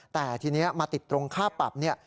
แต่ทีนี้มาติดตรงค่าปรับเนี่ย